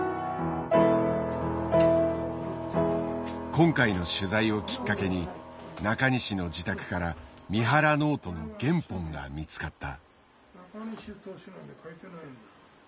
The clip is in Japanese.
今回の取材をきっかけに中西の自宅から三原ノートの原本が見つかった。